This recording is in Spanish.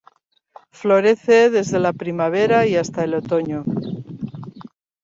Florece desde la primavera y hasta el otoño.